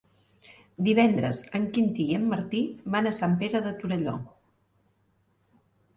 Divendres en Quintí i en Martí van a Sant Pere de Torelló.